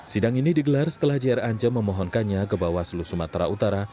sidang ini digelar setelah jr anja memohonkannya ke bawaslu sumatera utara